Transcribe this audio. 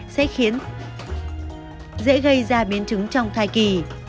sẽ khiến dễ gây ra biến chứng trong thai kỳ